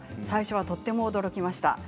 最初はとても驚きました。